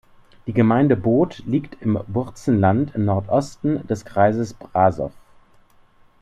Die Gemeinde Bod liegt im Burzenland im Nordosten des Kreises Brașov.